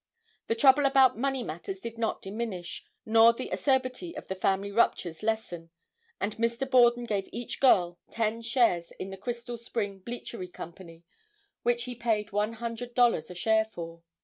The trouble about money matters did not diminish, nor the acerbity of the family ruptures lessen, and Mr. Borden gave each girl ten shares in the Crystal Spring Bleachery Company, which he paid $100 a share for.